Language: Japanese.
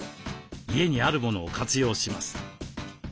家にあるものを活用します。